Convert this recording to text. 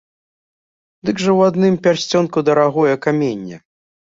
Дык жа ў адным пярсцёнку дарагое каменне!